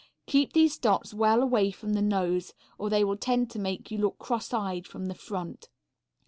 Keep these dots well away from the nose, or they will tend to make you look crosseyed from the front.